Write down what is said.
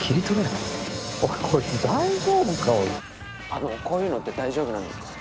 あのこういうのって大丈夫なんですか？